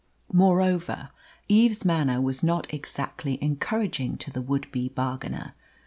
Moreover, Eve's manner was not exactly encouraging to the would be bargainer.